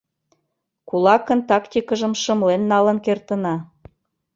— Кулакын тактикыжым шымлен налын кертына.